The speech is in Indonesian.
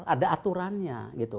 ada aturannya gitu